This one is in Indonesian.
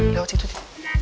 lewat situ cuti